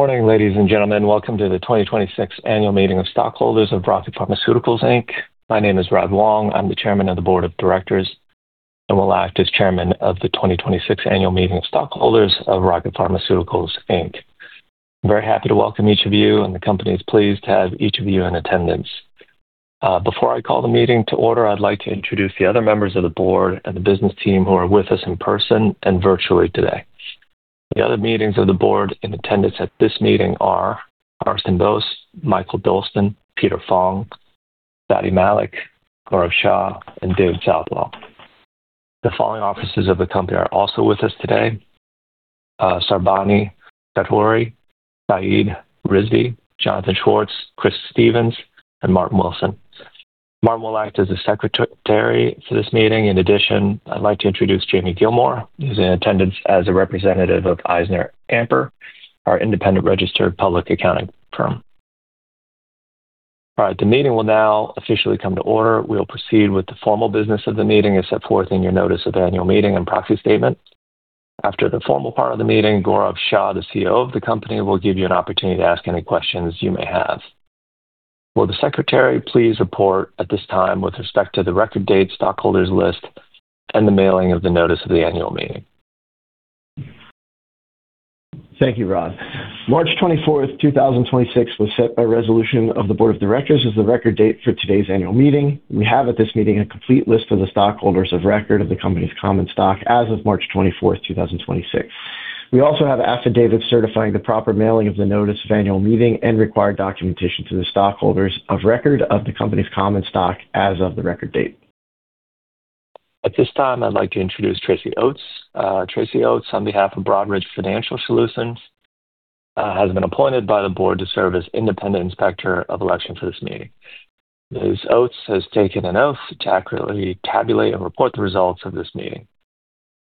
Morning, ladies and gentlemen. Welcome to the 2026 annual meeting of stockholders of Rocket Pharmaceuticals, Inc. My name is Roderick Wong. I'm the Chairman of the Board of Directors, and will act as Chairman of the 2026 annual meeting of stockholders of Rocket Pharmaceuticals, Inc. I'm very happy to welcome each of you, and the company is pleased to have each of you in attendance. Before I call the meeting to order, I'd like to introduce the other members of the board and the business team who are with us in person and virtually today. The other members of the board in attendance at this meeting are Carsten Boess, Mikael Dolsten, Peter Fong, Fady Malik, Gaurav Shah, and David Southwell. The following officers of the company are also with us today: Sarbani Chaudhuri, Syed Rizvi, Jonathan Schwartz, Chris Stevens, and Martin Wilson. Martin will act as the secretary for this meeting. In addition, I'd like to introduce Jaime Gilmore, who's in attendance as a representative of EisnerAmper, our independent registered public accounting firm. All right, the meeting will now officially come to order. We'll proceed with the formal business of the meeting as set forth in your notice of the annual meeting and proxy statement. After the formal part of the meeting, Gaurav Shah, the Chief Executive Officer of the company, will give you an opportunity to ask any questions you may have. Will the secretary please report at this time with respect to the record date, stockholders list, and the mailing of the notice of the annual meeting? Thank you, Rod. March 24th, 2026, was set by resolution of the board of directors as the record date for today's annual meeting. We have at this meeting a complete list of the stockholders of record of the company's common stock as of March 24th, 2026. We also have affidavits certifying the proper mailing of the notice of annual meeting and required documentation to the stockholders of record of the company's common stock as of the record date. At this time, I'd like to introduce Tracy Oates. Tracy Oates, on behalf of Broadridge Financial Solutions, has been appointed by the board to serve as Independent Inspector of Election for this meeting. Ms. Oates has taken an oath to accurately tabulate and report the results of this meeting.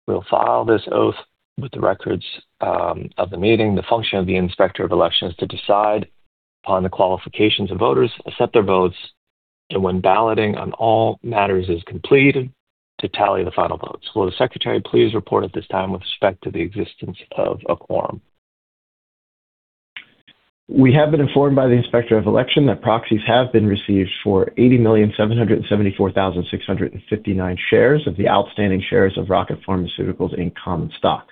We'll file this oath with the records of the meeting. The function of the Inspector of Election is to decide upon the qualifications of voters, accept their votes, and when balloting on all matters is complete, to tally the final votes. Will the secretary please report at this time with respect to the existence of a quorum? We have been informed by the Inspector of Election that proxies have been received for 80,774,659 shares of the outstanding shares of Rocket Pharmaceuticals Inc. common stock.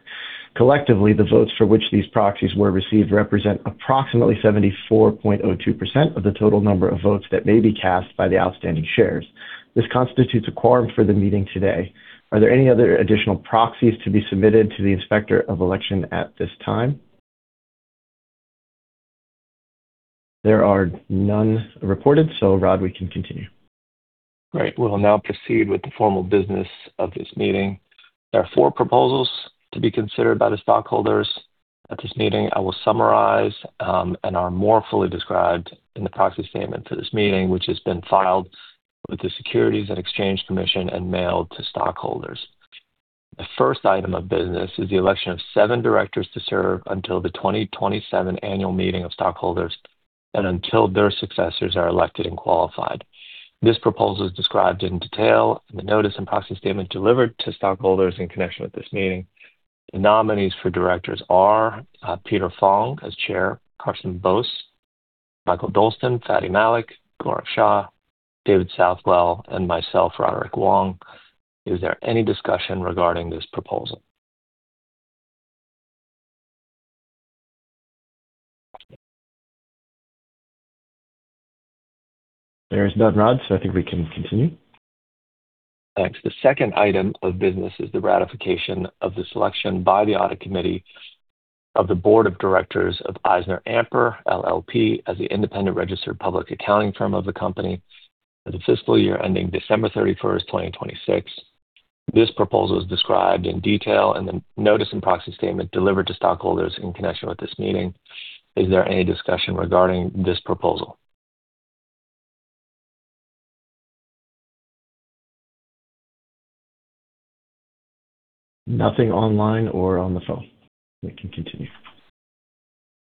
Collectively, the votes for which these proxies were received represent approximately 74.2% of the total number of votes that may be cast by the outstanding shares. This constitutes a quorum for the meeting today. Are there any other additional proxies to be submitted to the Inspector of Election at this time? There are none reported, Rod, we can continue. Great. We'll now proceed with the formal business of this meeting. There are four proposals to be considered by the stockholders at this meeting. I will summarize and are more fully described in the proxy statement for this meeting, which has been filed with the Securities and Exchange Commission and mailed to stockholders. The first item of business is the election of seven directors to serve until the 2027 annual meeting of stockholders and until their successors are elected and qualified. This proposal is described in detail in the notice and proxy statement delivered to stockholders in connection with this meeting. The nominees for directors are Peter Fong as Chair, Carsten Boess, Mikael Dolsten, Fady Malik, Gaurav Shah, David Southwell, and myself, Roderick Wong. Is there any discussion regarding this proposal? There is none, Rod, so I think we can continue. Thanks. The second item of business is the ratification of the selection by the audit committee of the board of directors of EisnerAmper LLP as the independent registered public accounting firm of the company for the fiscal year ending December 31st, 2026. This proposal is described in detail in the notice and proxy statement delivered to stockholders in connection with this meeting. Is there any discussion regarding this proposal? Nothing online or on the phone. We can continue.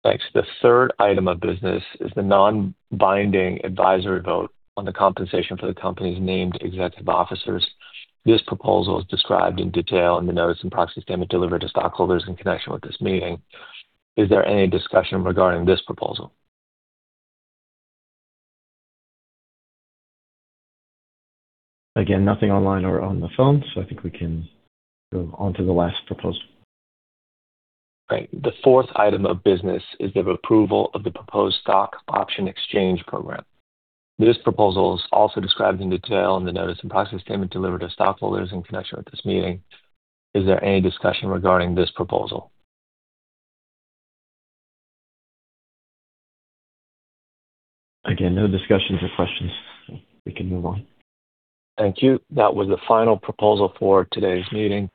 Thanks. The third item of business is the non-binding advisory vote on the compensation for the company's named executive officers. This proposal is described in detail in the notice and proxy statement delivered to stockholders in connection with this meeting. Is there any discussion regarding this proposal? Again, nothing online or on the phone, so I think we can go on to the last proposal. Right. The fourth item of business is the approval of the proposed stock option exchange program. This proposal is also described in detail in the notice and proxy statement delivered to stockholders in connection with this meeting. Is there any discussion regarding this proposal? Again, no discussions or questions. We can move on. Thank you. That was the final proposal for today's meeting.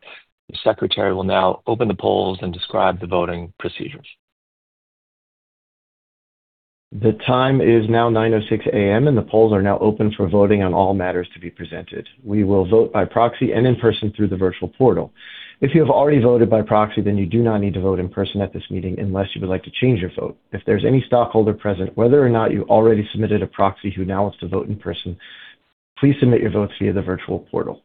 The secretary will now open the polls and describe the voting procedures. The time is now 9:00 A.M., and the polls are now open for voting on all matters to be presented. We will vote by proxy and in person through the virtual portal. If you have already voted by proxy, then you do not need to vote in person at this meeting unless you would like to change your vote. If there's any stockholder present, whether or not you already submitted a proxy who now wants to vote in person, please submit your votes via the virtual portal.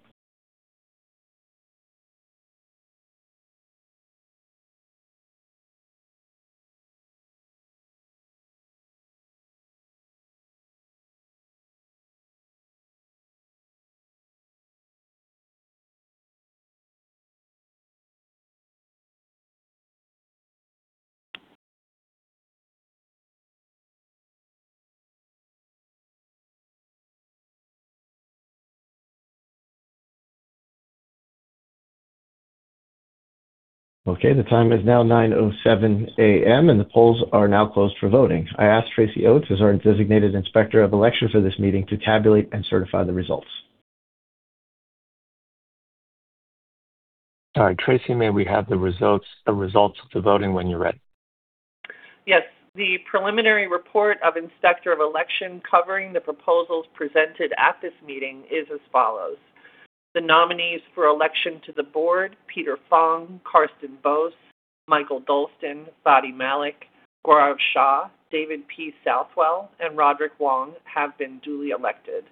Okay. The time is now 9:07 A.M., and the polls are now closed for voting. I ask Tracy Oates as our designated inspector of election for this meeting to tabulate and certify the results. All right, Tracy, may we have the results of the voting when you're ready? Yes. The preliminary report of inspector of election covering the proposals presented at this meeting is as follows. The nominees for election to the board, Peter Fong, Carsten Boess, Mikael Dolsten, Fady Malik, Gaurav Shah, David P. Southwell, and Roderick Wong, have been duly elected.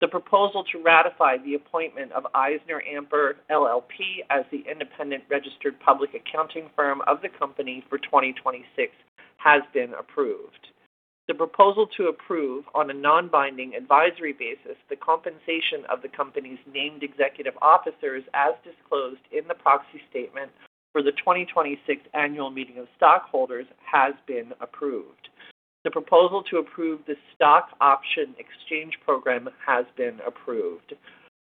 The proposal to ratify the appointment of EisnerAmper LLP as the independent registered public accounting firm of the company for 2026 has been approved. The proposal to approve, on a non-binding advisory basis, the compensation of the company's named executive officers as disclosed in the proxy statement for the 2026 Annual Meeting of Stockholders has been approved. The proposal to approve the stock option exchange program has been approved.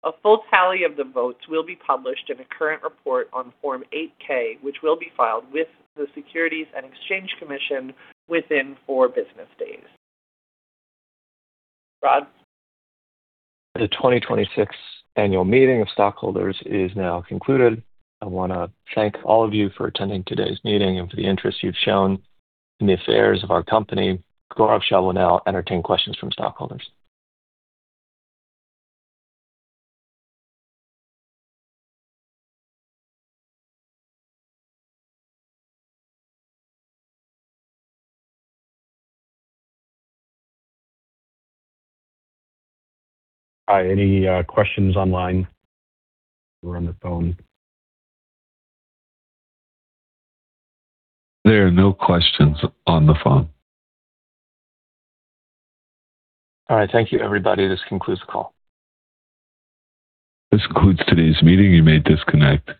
A full tally of the votes will be published in a current report on Form 8-K, which will be filed with the Securities and Exchange Commission within four business days. Rod? The 2026 Annual Meeting of Stockholders is now concluded. I want to thank all of you for attending today's meeting and for the interest you've shown in the affairs of our company. Gaurav Shah will now entertain questions from stockholders. Hi. Any questions online or on the phone? There are no questions on the phone. All right. Thank you, everybody. This concludes the call. This concludes today's meeting. You may disconnect.